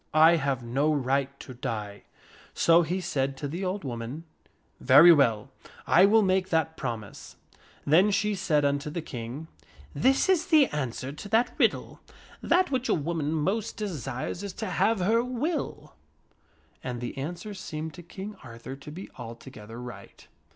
I have no right to die." So he said to the old woman, 4< Very well, I will make that promise." Then she said unto the King, " This is the answer to that The old "woman .jit T,, ,.,,.. telieth King riddle : 1 hat which a woman most desires is to have her will." ^we^th^ddie And the answer seemed to King Arthur to be altogether right.